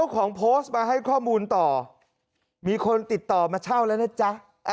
ของโพสต์มาให้ข้อมูลต่อมีคนติดต่อมาเช่าแล้วนะจ๊ะ